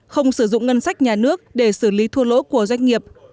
không sử dụng ngân sách nhà nước để xử lý thua lỗ của doanh nghiệp